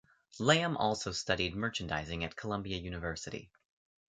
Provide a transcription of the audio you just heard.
Lamb also studied merchandising at Columbia University.